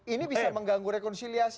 ini bisa mengganggu rekonsiliasi